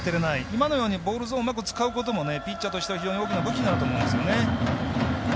今のようにボールゾーンをうまく使うこともピッチャーとしては非常に大きな武器になると思うんですね。